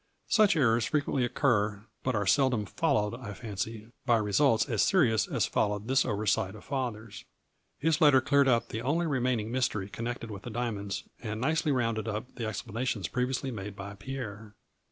Such errors frequently occur but are seldom followed, I fancy, by results as serious as followed this oversight of father's. His letter cleared up the only remaining mystery connected with the diamonds, and nicely rounded up the explanations previously made by Pierre.